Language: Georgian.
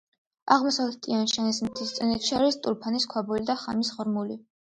აღმოსავლეთ ტიან-შანის მთისწინეთში არის ტურფანის ქვაბული და ხამის ღრმული.